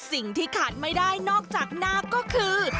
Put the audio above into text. สิ่งที่ขาดไม่ได้นอกจากหน้าก็คือ